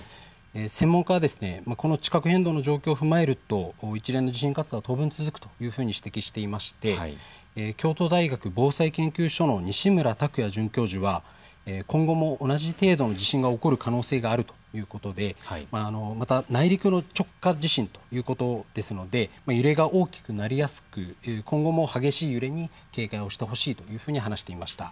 専門家はこの地殻変動の状況を踏まえると一連の地震活動は当分、続くというふうに指摘していまして京都大学防災研究所の西村卓也准教授は今後も同じ程度の地震が起こる可能性があるということでまた内陸の直下地震ということですので揺れが大きくなりやすく今後も激しい揺れに警戒をしてほしいというふうに話していました。